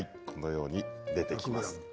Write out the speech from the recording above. このように出てきます。